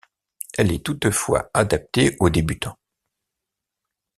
Elle est toutefois adaptée aux débutants.